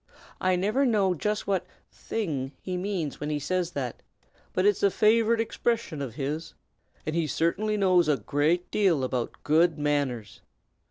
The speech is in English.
I never know just what 'thing' he means when he says that, but it's a favorite expression of his; and he certainly knows a great deal about good manners.